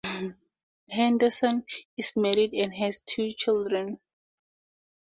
Henderson is married and has two children.